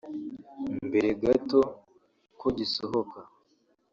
Mbere gato ko gisohoka